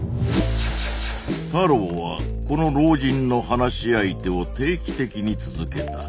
太郎はこの老人の話し相手を定期的に続けた。